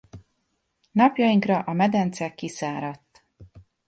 Napjainkra a medence kiszáradt.